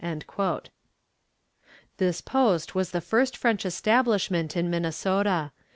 This post was the first French establishment in Minnesota.